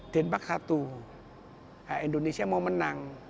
denmark satu indonesia mau menang